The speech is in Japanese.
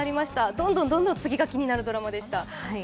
どんどん次が気になるドラマでした。